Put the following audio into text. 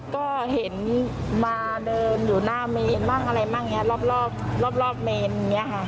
ก็เห็นมาเดินอยู่หน้าเมนบ้างอะไรบ้างอย่างนี้รอบรอบเมนอย่างนี้ค่ะ